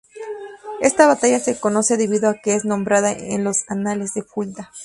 Esta batalla se conoce debido a que es nombrada en los Anales de Fulda.